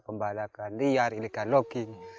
pembalakan liar illegal logging